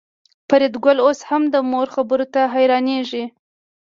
فریدګل اوس هم د مور خبرو ته حیرانېږي